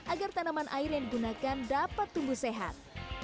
agar tanaman air yang digunakan dapat tumbuh sehat